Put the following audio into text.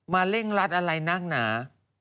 มาเล่งลัดอะไรน่า